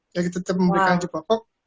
jadi tetap memberikan gaji pokok